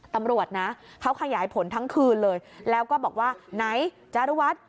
ตำรวจนะเขาขยายผลทั้งคืนเลยแล้วก็บอกว่าไหนจารุวัฒน์